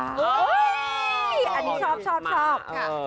อันนี้ชอบ